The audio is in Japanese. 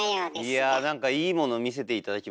いやなんかいいもの見せて頂きました。